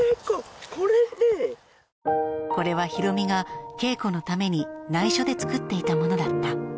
これってこれは弘美が桂子のために内緒で作っていたものだった